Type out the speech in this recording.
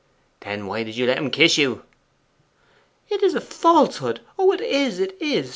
'Then why did you let him kiss you?' 'It is a falsehood; oh, it is, it is!